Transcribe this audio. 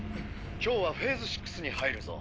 今日はフェーズ６に入るぞ。